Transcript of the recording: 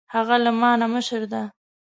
هغه له ما نه مشر ده